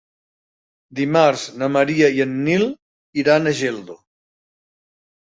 Dimarts na Maria i en Nil iran a Geldo.